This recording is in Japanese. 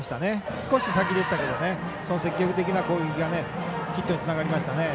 少し先でしたけど積極的な攻撃がヒットにつながりましたね。